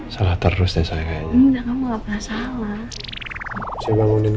salah terus ya saya nggak mau apa salah